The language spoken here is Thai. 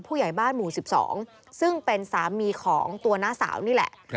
ผู้ใหญ่บ้านหมู่๑๒ซึ่งเป็นสามีของตัวน้าสาวนี่แหละ